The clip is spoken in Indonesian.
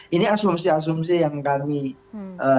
ini asumsi asumsi yang kami dapatkan